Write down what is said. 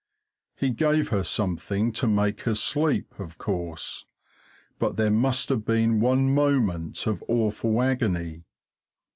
He gave her something to make her sleep, of course, but there must have been one moment of awful agony.